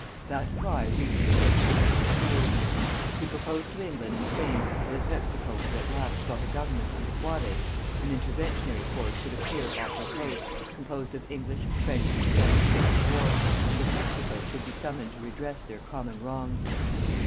That cry reached the French emperor's ears. He proposed to England and Spain that as Mexico had at last got a government under Juarez, an interventionary force should appear off her coast, composed of English, French, and Spanish ships of war, and that Mexico should be summoned to redress their common wrongs.